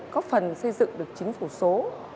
có phần xây dựng được chính phủ số